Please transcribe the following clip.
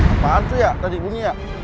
apaan tuh ya tadi bunyi ya